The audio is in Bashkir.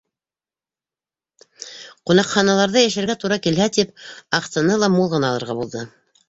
Ҡунаҡханаларҙа йәшәргә тура килһә тип, аҡсаны ла мул ғына алырға булды.